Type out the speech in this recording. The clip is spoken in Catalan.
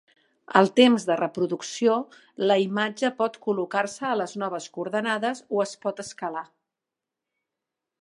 Al temps de reproducció, la imatge pot col·locar-se a les noves coordenades o es pot escalar.